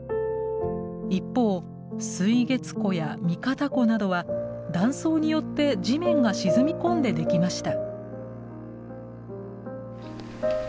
一方水月湖や三方湖などは断層によって地面が沈み込んでできました。